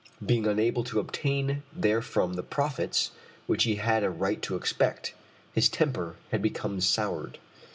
Being unable to obtain therefrom the profits which he had a right to expect, his temper had become soured.